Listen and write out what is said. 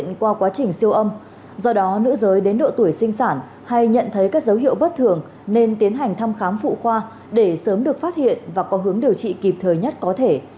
nếu các nữ giới đến độ tuổi sinh sản hay nhận thấy các dấu hiệu bất thường nên tiến hành thăm khám phụ khoa để sớm được phát hiện và có hướng điều trị kịp thời nhất có thể